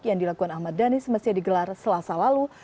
yang dilakukan ahmad dhani semestinya digelar selasa lalu